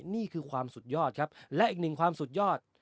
นี่คือความสุดยอดครับและอีกหนึ่งความสุดยอด